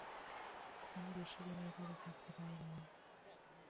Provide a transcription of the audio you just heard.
তিনি বেশিদিন এই পদে থাকতে পারেননি।